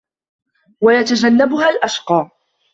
وَيَتَجَنَّبُهَا الأَشقَى